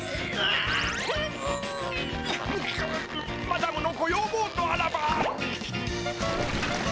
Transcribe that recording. マダムのごようぼうとあらば！